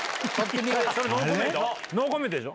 それノーコメントでしょ？